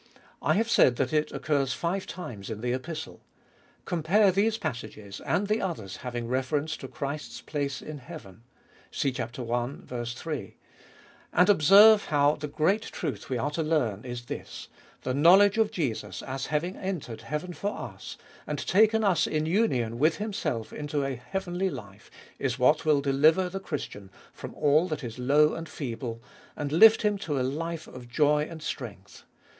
I have said that it occurs five times in the Epistle. Compare these passages, and the others having reference to Christ's place in heaven (see Ref. i. 3), and observe how the great truth we are to learn is this : the knowledge of Jesus as having entered heaven for us, and taken us in union with Himself into a heavenly life, is what will deliver the Christian from all that is low and feeble, and lift him to a life of joy and strength.